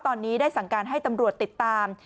ตอนนี้ได้สั่งการให้ตำรวจติดตาม